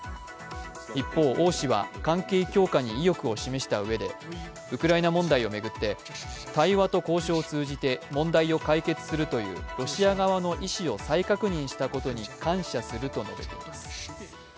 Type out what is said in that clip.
一方、王氏は関係強化に意欲を示したうえでウクライナ問題を巡って、対話と交渉を通じて問題を解決するというロシア側の意思を再確認したことに感謝すると述べています。